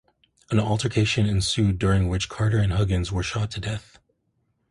An altercation ensued during which Carter and Huggins were shot to death.